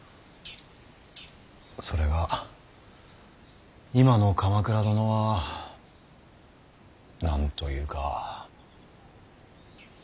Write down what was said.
それが今の鎌倉殿は何と言うか。